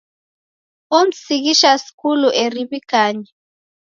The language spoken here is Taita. Omsighisha skulu eri w'ikanye.